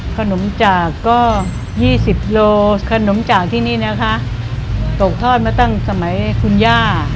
ขนมจากก็๒๐โลขนมจากที่นี่นะคะตกทอดมาตั้งสมัยคุณย่า